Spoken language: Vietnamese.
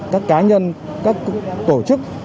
các cá nhân các tổ chức